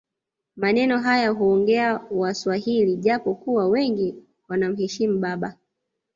Maneno haya huongea waswahili japo kuwa wengi wanamheshimu baba